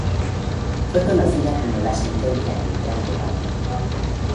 Fue conocida como la Sentencia Arbitral de Guadalupe.